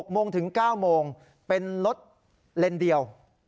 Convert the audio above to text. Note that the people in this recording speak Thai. ๖โมงถึง๙โมงเป็นรถเลนเดียว